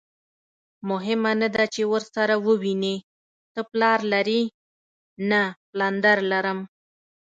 مهمه نه ده چې ورسره ووینې، ته پلار لرې؟ نه، پلندر لرم.